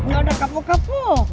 gak ada kapok kapok